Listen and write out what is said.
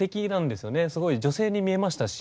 すごい女性に見えましたし。